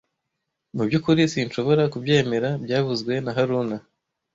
Mu byukuri sinshobora kubyemera byavuzwe na haruna